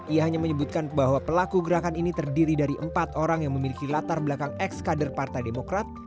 ia hanya menyebutkan bahwa pelaku gerakan ini terdiri dari empat orang yang memiliki latar belakang ex kader partai demokrat